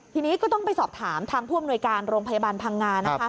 ทีนี้ก็ต้องไปสอบถามทางผู้อำนวยการโรงพยาบาลพังงานะคะ